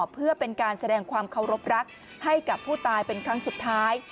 เพื่อเป็นการแสดงความเคารพรักให้กับผู้ตายเป็นครั้งสุดท้าย